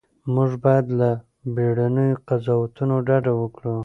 موږ باید له بیړنیو قضاوتونو ډډه وکړو.